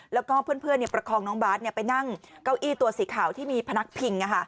แล้วก็เพื่อนประคองน้องบาทไปนั่งเก้าอี้ตัวสีขาวที่มีพนักพิง